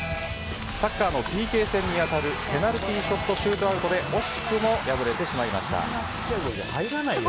サッカーのＰＫ戦に当たるペナルティーショットシュートアウトで惜しくも敗れてしまいました。